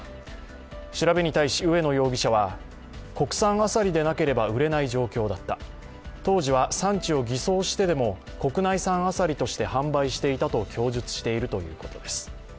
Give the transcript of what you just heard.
調べに対し植野容疑者は、国産アサリでなければ売れない状況だった当時は産地を偽装してでも国内産アサリとして販売していたと供述しているということです。